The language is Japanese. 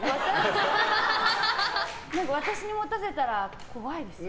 何か私に持たせたら怖いですね。